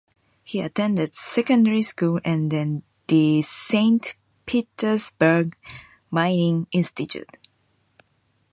He attended secondary school and then the Saint Petersburg Mining Institute.